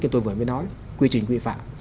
như tôi vừa mới nói quy trình quy phạm